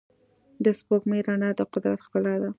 د سپوږمۍ رڼا د قدرت ښکلا ده.